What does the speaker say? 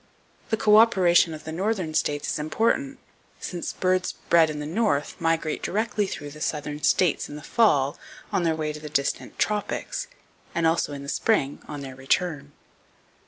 The cooperation of the northern states is important, since birds bred in the North migrate directly through the southern states in the fall on their way to the distant tropics, and also in the spring on their return.